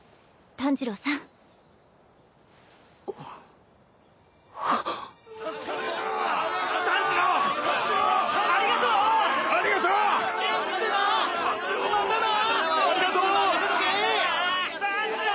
炭治郎！